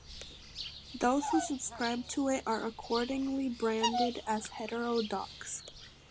Those who subscribe to it are accordingly branded as heterodox.